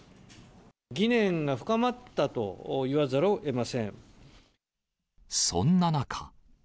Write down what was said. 疑念が深まったといわざるをそんな中。